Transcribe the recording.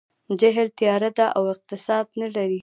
جهل تیاره ده او اقتصاد نه لري.